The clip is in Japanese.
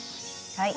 はい。